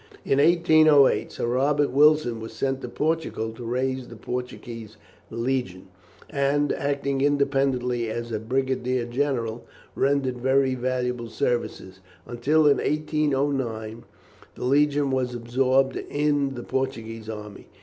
In 1808 Sir Robert Wilson was sent to Portugal to raise the Portuguese legion, and, acting independently as a Brigadier general, rendered very valuable services, until in 1809 the legion was absorbed in the Portuguese army.